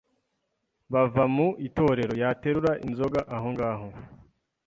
Bava mu itorero, yaterura inzoga aho ngaho